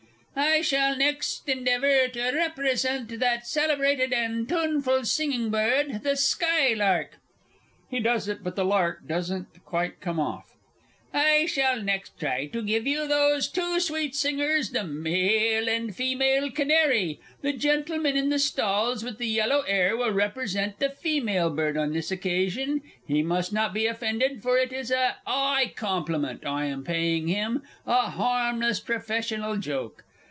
"_) I shall next endeavour to represent that celebrated and tuneful singing bird the Sky lark. (He does it, but the Lark doesn't quite come off.) I shall next try to give you those two sweet singers, the Male and Female Canary the gentleman in the stalls with the yellow 'air will represent the female bird on this occasion, he must not be offended, for it is a 'igh compliment I am paying him, a harmless professional joke.